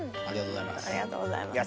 ありがとうございます。